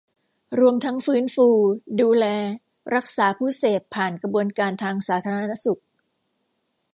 รวมทั้งฟื้นฟู ดูแล รักษาผู้เสพผ่านกระบวนการทางสาธารณสุข